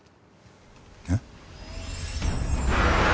えっ？